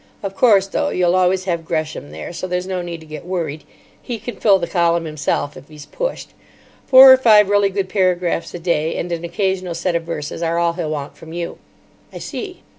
Of course, though, you'll always have Gresham there, so there's no need to get worried. He can fill the column himself, if he's pushed. Four or five really good paragraphs a day and an occasional set of verses are all he'll want from you." "I see."